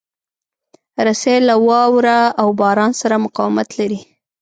رسۍ له واوره او باران سره مقاومت لري.